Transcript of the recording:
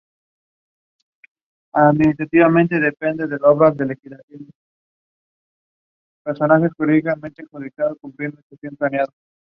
She writes and performs many pieces in collaboration with musicians.